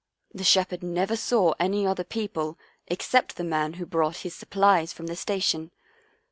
The shepherd never saw any other people except the man who brought his supplies from the station.